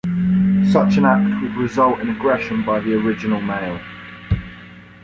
Such an act would result in aggression by the original male.